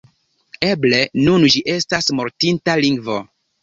Eble nun ĝi estas mortinta lingvo.